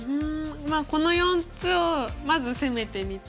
まあこの４つをまず攻めてみて。